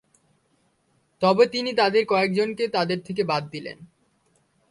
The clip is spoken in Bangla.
তবে তিনি তাদের কয়েকজনকে তাদের থেকে বাদ দিলেন।